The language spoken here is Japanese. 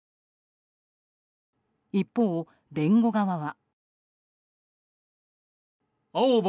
一方、弁護側は。